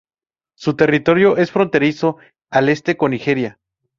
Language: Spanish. Su territorio es fronterizo al este con Nigeria.